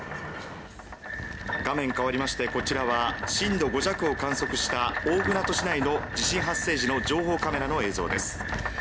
画面変わりましてこちらは震度５弱を観測した大船渡市内の地震発生時の情報カメラの映像です。